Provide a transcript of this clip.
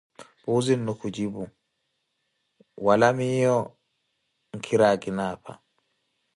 Puuzi-nnu khucipu: Wala miiyo nkhira akina apha.